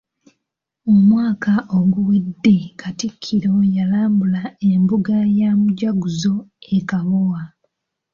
Omwaka oguwedde Katikkiro yalambula embuga ya Mujaguzo e Kabowa.